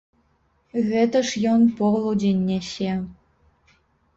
Гэта ж ён полудзень нясе!